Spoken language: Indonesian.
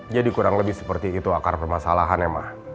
jadi kurang lebih seperti itu akar permasalahannya ma